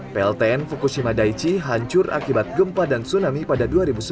pltn fukushima daichi hancur akibat gempa dan tsunami pada dua ribu sebelas